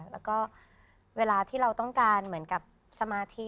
แล้วก็เวลาที่เราต้องการเหมือนกับสมาธิ